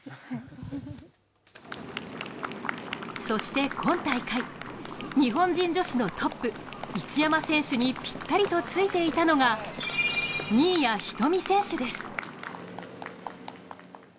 そして今大会日本人女子のトップ、一山選手にぴったりとついていたのが新谷仁美選手です。